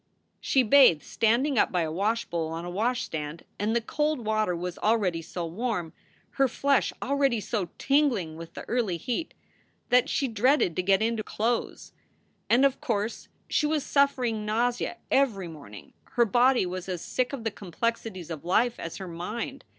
She bathed standing up by a washbowl on a washstand, and the cold water was already so warm, her flesh already so ting ling with the early heat, that she dreaded to get into clothes. ii2 SOULS FOR SALE And, of course, she was suffering nausea every morning; her body was as sick of the complexities of life as her mind.